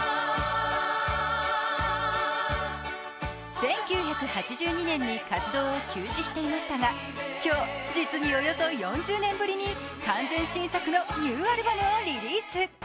１９８２年に活動を休止していましたが、今日実におよそ４０年ぶりに完全新作のニューアルバムをリリース。